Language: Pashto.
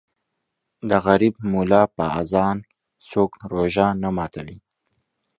د غریب مولا په اذان څوک روژه نه ماتوي